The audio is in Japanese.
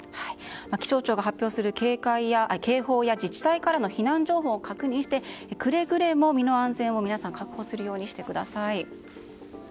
気象庁が発表する警報や自治体からの避難情報を確認して、くれぐれも身の安全を皆さん確保するようにしてください。